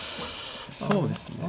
そうですね